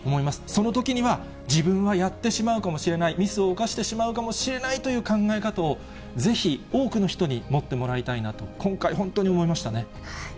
そのときには、自分はやってしまうかもしれない、ミスを犯してしまうかもしれないという考え方を、ぜひ、多くの人に持ってもらいたいなと、今回、本当に思いましたね。